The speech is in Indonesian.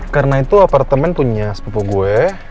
karena itu apartemen punya sepupu gue